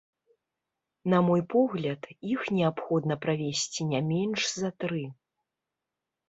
На мой погляд, іх неабходна правесці не менш за тры.